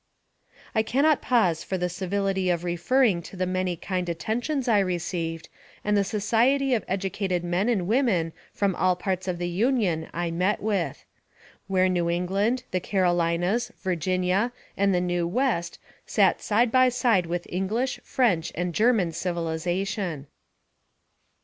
I cannot pause for the civility of referring to the many kind attentions I received, and the society of educated men and women from all parts of the Union I met with; where New England, the Carolinas, Virginia, and the new West sat side by side with English, French, and German civilization.